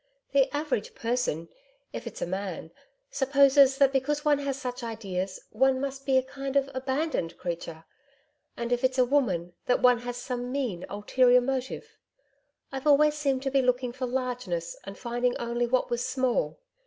The average person, if it's a man supposes that because one has such ideas one must be a kind of abandoned creature. And, if it's a woman, that one has some mean, ulterior motive. I've always seemed to be looking for largeness and finding only what was small.